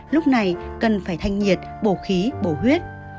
lúc này cần phải thanh nhiệt bổ khí bổ huyết